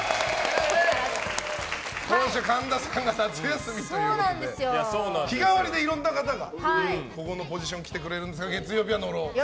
神田さんが夏休みということで日替わりでいろんな方がこのポジションに来てくれるということで月曜日は野呂さん。